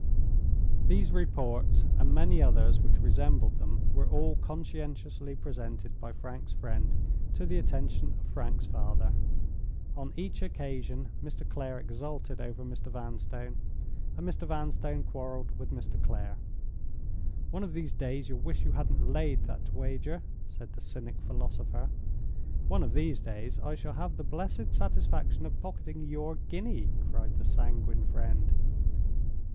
These reports, and many others which resembled them, were all conscientiously presented by Frank's friend to the attention of Frank's father. On each occasion, Mr. Clare exulted over Mr. Vanstone, and Mr. Vanstone quarreled with Mr. Clare. "One of these days you'll wish you hadn't laid that wager," said the cynic philosopher. "One of these days I shall have the blessed satisfaction of pocketing your guinea," cried the sanguine friend.